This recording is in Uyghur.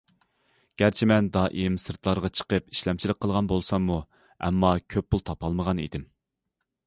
گەرچە مەن دائىم سىرتلارغا چىقىپ ئىشلەمچىلىك قىلغان بولساممۇ، ئەمما كۆپ پۇل تاپالمىغان ئىدىم.